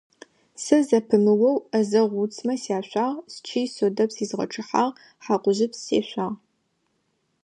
Сэ зэпымыоу ӏэзэгъу уцмэ сяшъуагъ, счый содэпс изгъэчъыхьагъ, хьакъужъыпс сешъуагъ.